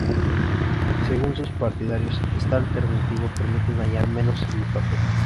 Según sus partidarios, esta alternativa permite dañar menos el papel.